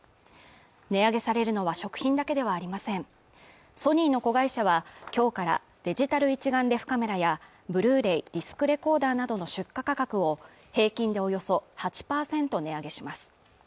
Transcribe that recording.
値上げされるのは食品だけではありませんソニーの子会社はきょうからデジタル一眼レフカメラやブルーレイディスクレコーダーなどの出荷価格を平均でおよそ８％値上げします